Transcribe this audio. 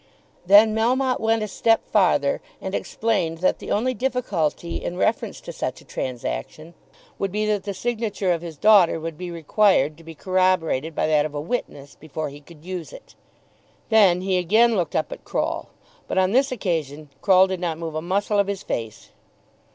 Then Melmotte went a step farther, and explained that the only difficulty in reference to such a transaction would be that the signature of his daughter would be required to be corroborated by that of a witness before he could use it. Then he again looked up at Croll; but on this occasion Croll did not move a muscle of his face.